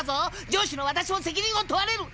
上司の私も責任を問われる。